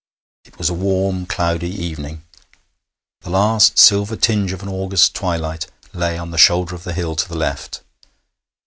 It was a warm, cloudy evening. The last silver tinge of an August twilight lay on the shoulder of the hill to the left.